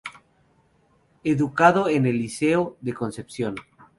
Educado en el Liceo de Concepción.